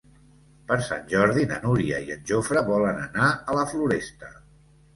Per Sant Jordi na Núria i en Jofre volen anar a la Floresta.